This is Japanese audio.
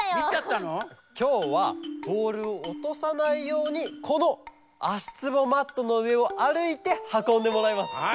きょうはボールをおとさないようにこのあしつぼマットのうえをあるいてはこんでもらいます。